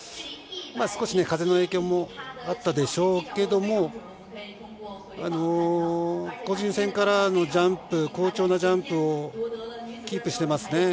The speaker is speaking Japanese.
少し風の影響もあったでしょうけども個人戦からの好調なジャンプをキープしていますね。